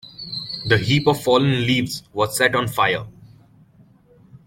The heap of fallen leaves was set on fire.